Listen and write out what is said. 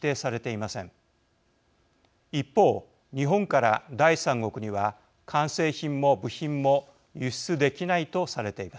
一方日本から第三国には完成品も部品も輸出できないとされています。